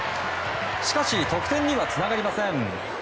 しかし、得点にはつながりません。